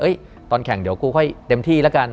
ตอนแข่งเดี๋ยวกูค่อยเต็มที่แล้วกัน